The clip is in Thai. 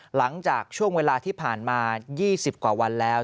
หลังจากช่วงเวลาที่ผ่านมา๒๐กว่าวันแล้ว